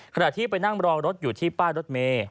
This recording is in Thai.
ขณะที่ไปนั่งรอรถอยู่ที่ป้ายรถเมย์